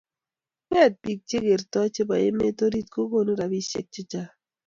nge eet bik che kertoi che bo emet orit kukonu robisheck che Chang